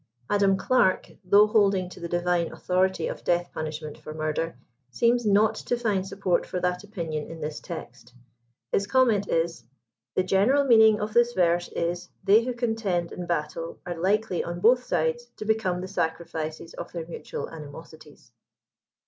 Adam Clarke, though holding to the divine authority of death punishment for murder, seems not to find support for that opinion in this text. His comment is, the general meaning of this verse is, they who contend in battle, are likely on both sides to become the sacrifices of their mutual animosities.'